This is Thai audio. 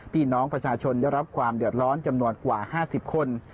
พี่น้องประชาชนได้รับความเดือดร้อนจำนวนกว่า๕๐คน